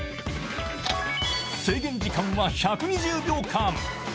制限時間は１２０秒間。